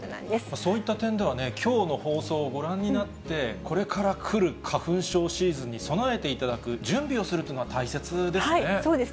そういった点ではね、きょうの放送をご覧になって、これからくる花粉症シーズンに備えていただく準備をするというのそうですね。